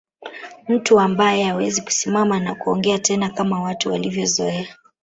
Mtu ambae hawezi kusimama na kuongea tena kama watu walivyozoea